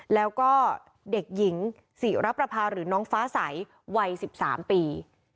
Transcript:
แล้วก็เด็กหญิงศิรประพาหรือน้องฟ้าใสวัย๑๓ปี